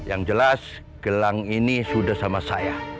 yang jelas gelang ini sudah sama saya